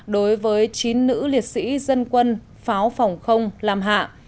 đối với chín nữ liệt sĩ dân quân pháo phòng không làm hạ